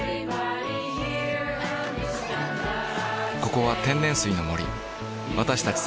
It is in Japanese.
ここは天然水の森私たち